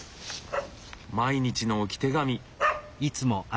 毎日の置き手紙。